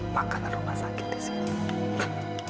pangkatan rumah sakit di sini